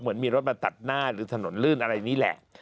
เหมือนมีรถมาตัดหน้าหรือถนนลื่นอะไรนี่แหละ